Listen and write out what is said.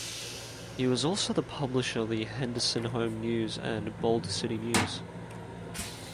He was also the publisher of the "Henderson Home News" and "Boulder City News".